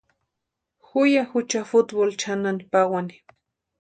Ju ya jucha futboli chʼanani pawani.